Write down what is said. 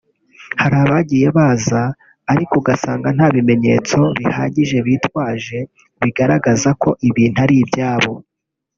hari abagiye baza ariko ugasanga nta bimenyetso bihagije bitwaje bigaragaza ko ibintu ari ibyabo